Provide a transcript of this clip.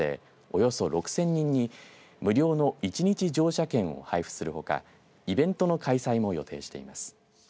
およそ６０００人に無料の１日乗車券を配布するほかイベントの開催も予定しています。